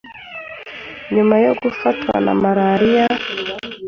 nyuma yo gufatwa na Malariya